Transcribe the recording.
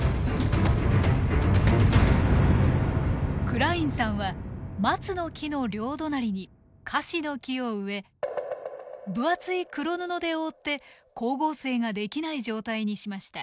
クラインさんはマツの木の両隣にカシノキを植え分厚い黒布で覆って光合成ができない状態にしました。